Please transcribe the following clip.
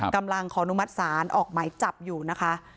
กำลังขอนุมัติศาลออกหมายจับอยู่นะคะ